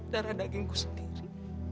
darah dagingku sendiri